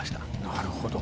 なるほど。